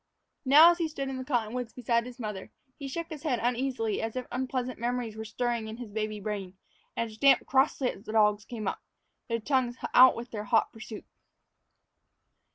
Now, as he stood in the cottonwoods beside his mother, he shook his head uneasily as if unpleasant memories were stirring in his baby brain, and stamped crossly as the dogs came up, their tongues out with their hot pursuit.